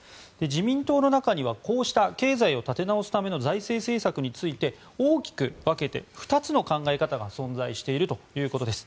自民党の中にはこうした経済を立て直すための財政政策について大きく分けて２つの考え方が存在しているということです。